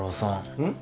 うん？